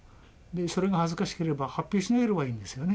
それが恥ずかしければ発表しなければいいんですよね。